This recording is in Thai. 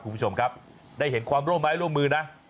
คุณผู้ชมครับได้เห็นความร่วมไม้ร่วมมือนะ